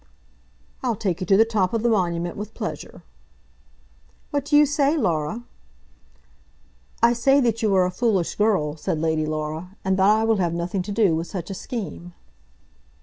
"I'll take you to the top of the Monument with pleasure." "What do you say, Laura?" "I say that you are a foolish girl," said Lady Laura, "and that I will have nothing to do with such a scheme."